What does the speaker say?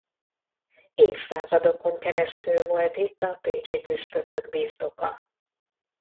Évszázadokon keresztül volt itt a pécsi püspökök birtoka.